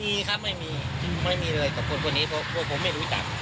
มีครับไม่มีไม่มีเลยกับคนคนนี้เพราะผมไม่รู้จัก